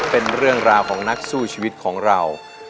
เป็นเรื่องราวของนักสู้ชีวิตของเรา